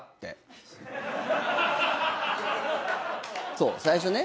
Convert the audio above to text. そう最初ね。